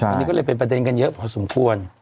อันนี้ก็เลยเป็นประเด็นกันเยอะพอสมควร